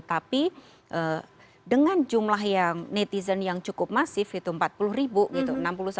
tapi dengan jumlah yang netizen yang cukup masif itu empat puluh ribu gitu